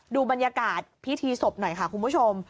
ดูบรรยากาศพิธีศพหน่อยค่ะคุณผู้ชม